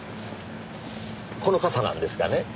この傘なんですがね。